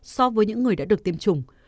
so với những người đã được tiêm chủng